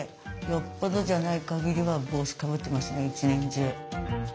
よっぽどじゃないかぎりは帽子かぶってますね一年中。